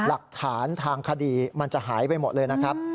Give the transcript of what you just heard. หลักฐานทางคดีมันจะหายไปหมดเลยนะครับ